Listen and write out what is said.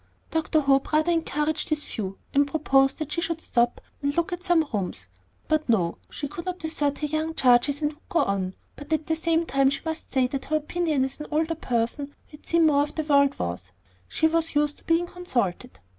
Dr. Hope rather encouraged this view, and proposed that she should stop and look at some rooms; but no, she could not desert her young charges and would go on, though at the same time she must say that her opinion as an older person who had seen more of the world was She was used to being consulted.